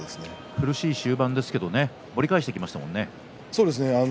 苦しい終盤ですけども盛り返してきましたもんね。